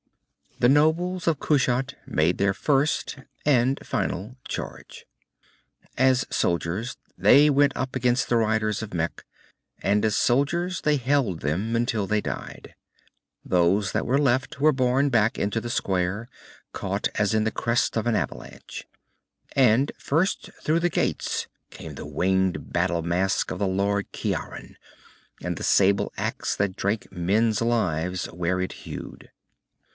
The nobles of Kushat made their first, and final charge. As soldiers they went up against the riders of Mekh, and as soldiers they held them until they died. Those that were left were borne back into the square, caught as in the crest of an avalanche. And first through the gates came the winged battle mask of the Lord Ciaran, and the sable axe that drank men's lives where it hewed.